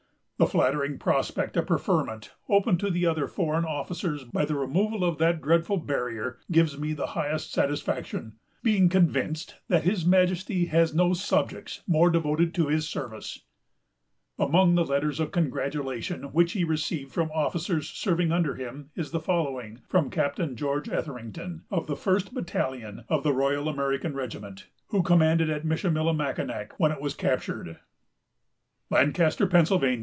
The flattering prospect of preferment, open to the other foreign officers by the removal of that dreadful barrier, gives me the highest satisfaction, being convinced that his Majesty has no subjects more devoted to his service." Among the letters of congratulation which he received from officers serving under him is the following, from Captain George Etherington, of the first battalion of the Royal American regiment, who commanded at Michillimackinac when it was captured:—— "Lancaster, Pa.